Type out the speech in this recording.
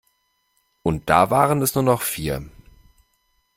Und da waren es nur noch vier.